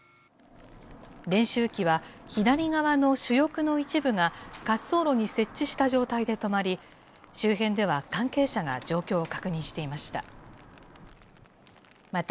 練習機は、左側の主翼の一部が、滑走路に接地した状態で止まり、周辺では関係者が状況を確認していました。